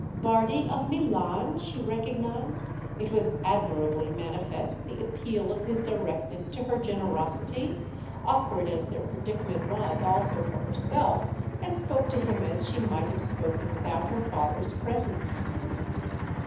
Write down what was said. "Bardi of Milan?"—she recognised, it was admirably manifest, the appeal of his directness to her generosity, awkward as their predicament was also for her herself, and spoke to him as she might have spoken without her father's presence.